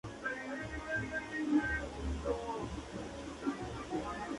Tiene formación multidisciplinar.